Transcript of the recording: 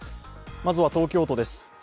まずは、東京都です。